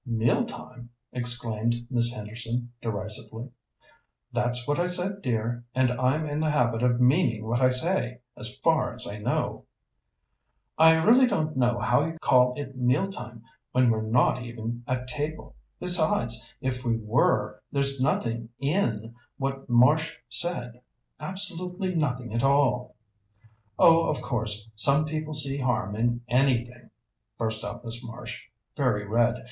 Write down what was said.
"Meal time?" exclaimed Miss Henderson derisively. "That's what I said, dear, and I'm in the habit of meaning what I say, as far as I know." "I really don't know how you can call it meal time when we're not even at table. Besides, if we were, there's nothing in what Marsh said absolutely nothing at all." "Oh, of course, some people see harm in anything," burst out Miss Marsh, very red.